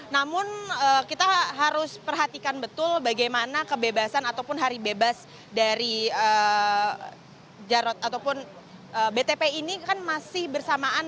namun kita harus perhatikan betul bagaimana kebebasan ataupun hari bebas dari jarod ataupun btp ini kan masih bersamaan